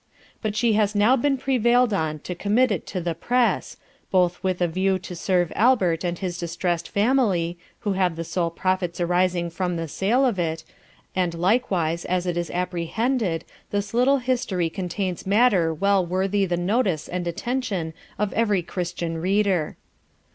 But she has now been prevail'd on to commit it to the Press, both with a view to serve Albert and his distressed Family, who have the sole Profits arising from the Sale of it; and likewise as it is apprehended, this little History contains Matter well worthy the Notice and Attention of every Christian Reader.